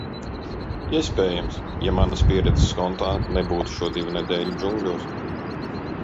Iespējams, ja manas pieredzes kontā nebūtu šo divu nedēļu džungļos.